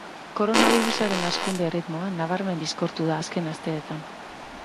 Koronabirusaren hazkunde erritmoa nabarmen bizkortu da azken asteetan.